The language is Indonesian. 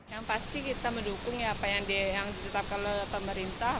yang pasti kita mendukung ya apa yang ditetapkan oleh pemerintah